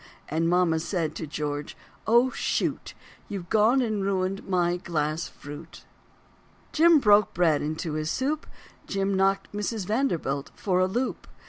And mama said to George, "Oh, shoot, You've gone and ruined my glass fruit." Jim broke bread into his soup, Jim knocked Mrs. Vanderbilt for a loop.